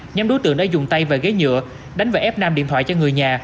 nhóm đối tượng đã dùng tay và ghế nhựa đánh và ép nam điện thoại cho người nhà